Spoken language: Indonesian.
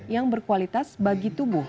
yang berkualitas bagi tubuh